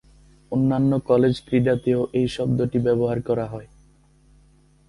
অন্যান্য কলেজ ক্রীড়াতেও এই শব্দটি ব্যবহার করা হয়।